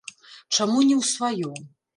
Чаму не ў сваё?